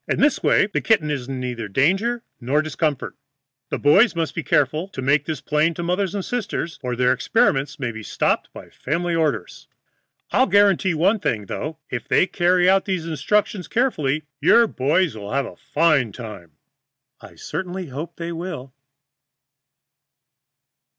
In this way the kitten is in neither danger nor discomfort. The boys must be careful to make this plain to mothers and sisters, or their experiments may be stopped by family orders. I'll guarantee one thing, though, if they carry out these instructions carefully, your boy friends will have a fine time." I certainly hope they will.